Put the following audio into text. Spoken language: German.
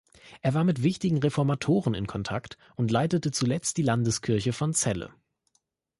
Er war mit wichtigen Reformatoren in Kontakt und leitete zuletzt die Landeskirche von Celle.